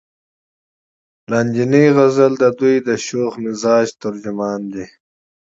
لاندينے غزل د دوي د شوخ مزاج ترجمان دے ۔